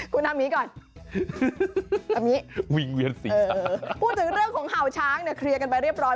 คุณทำนี้ก่อนทำนี้พูดถึงเรื่องของเห่าช้างเคลียร์กันไปเรียบร้อย